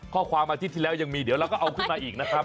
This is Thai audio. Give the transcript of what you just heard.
ข้อความอาทิตย์ที่แล้วยังมีเดี๋ยวเราก็เอาขึ้นมาอีกนะครับ